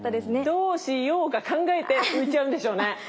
どうしようか考えて浮いちゃうんでしょうね。